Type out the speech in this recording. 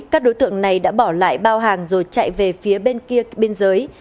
các đối tượng này đã bỏ lại bao hàng rồi chạy về phía bên kia biên giới